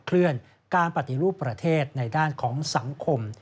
เคลื่อนการปฏิรูปประเทศในด้านของสังคม